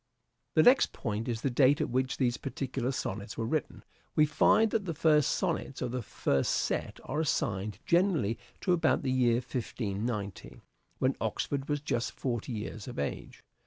The next point is the date at which these particular sonnets were written. We find that the first sonnets of the first set are assigned generally to about the year 1590, when Oxford was just forty years of age.